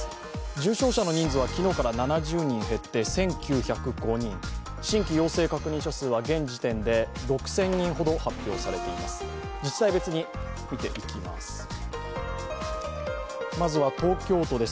重症者の人数は昨日から７０人減って１９０５人、新規陽性確認者数は現時点で６０００人ほど発表されています。